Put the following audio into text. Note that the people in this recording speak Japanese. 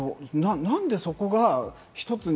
何でそこが一つ